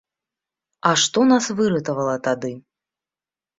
А што нас выратавала тады?